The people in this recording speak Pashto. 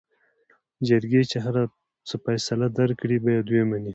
جرګې چې هر څه فيصله درکړې بايد وې منې.